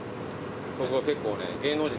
そこ結構ね。